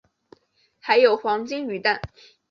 还有黄金鱼蛋